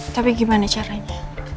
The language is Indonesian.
tapi gimana caranya